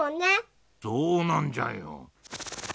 そうなんじゃよ。